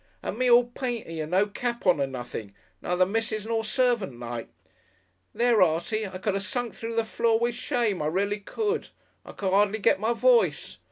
"And me all painty and no cap on and nothing, neither missis nor servant like. There, Artie, I could 'a sunk through the floor with shame, I really could. I could 'ardly get my voice.